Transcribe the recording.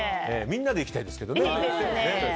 みんなで行きたいですけどね。